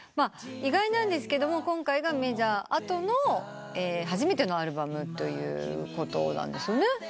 意外なんですけど今回がメジャー後の初めてのアルバムということなんですね。